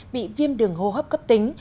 bị viêm đường hô hấp cấp tính